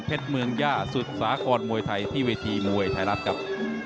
เมืองย่าสุดสากรมวยไทยที่เวทีมวยไทยรัฐครับ